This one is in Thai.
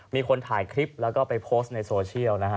มีคนถ่ายคลิปแล้วก็ไปโพสต์ในโซเชียลนะฮะ